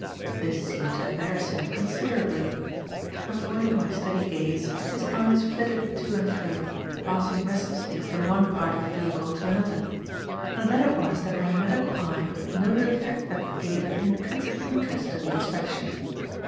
This seemed to embarrass him considerably. Avoiding my steady gaze, his eyes flitted to and fro, passing restlessly from one part of the vehicle to another; and then it was that my medical eye noted a fact that gave an intrinsic interest to the inspection.